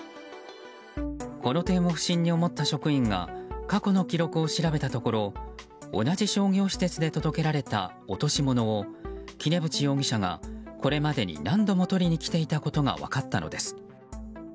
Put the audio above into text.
この点を不審に思った職員が過去の記録を調べたところ同じ商業施設で届けられた落とし物を杵渕容疑者がこれまでに何度も取りに来ていたことが分かったのです。